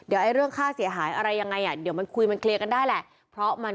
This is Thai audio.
มันไม่ได้ไปทำของคนอื่น